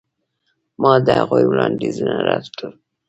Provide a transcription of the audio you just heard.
ما د هغوی وړاندیزونه رد کړل.